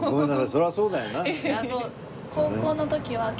そりゃそうだよな。